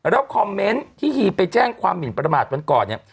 แล้วคอมเมนต์ที่ฮีไปแจ้งความหมินประมาทวันก่อนเนี่ย